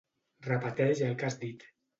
Repeteix el que has dit.